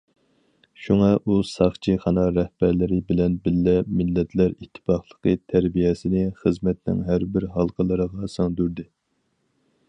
شۇڭا ئۇ ساقچىخانا رەھبەرلىرى بىلەن بىللە مىللەتلەر ئىتتىپاقلىقى تەربىيەسىنى خىزمەتنىڭ ھەر بىر ھالقىلىرىغا سىڭدۈردى.